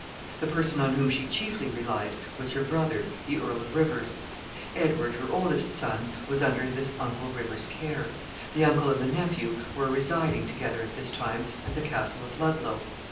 The person on whom she chiefly relied was her brother, the Earl of Rivers. Edward, her oldest son, was under this uncle Rivers's care. The uncle and the nephew were residing together at this time at the castle of Ludlow.